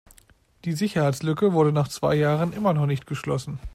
Die Sicherheitslücke wurde nach zwei Jahren noch immer nicht geschlossen.